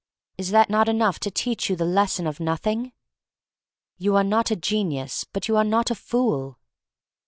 Is that not enough to teach you the lesson of Nothing? You are not a genius, but you are not a fool."